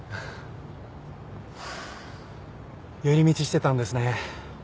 寄り道してたんですね。